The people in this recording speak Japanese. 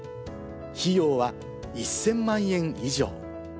費用は１０００万円以上。